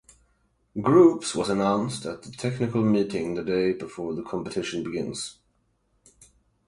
Groups was announced at the technical meeting the day before the competition begins.